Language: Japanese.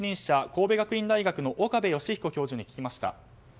神戸学院大学の岡部芳彦教授に聞きました。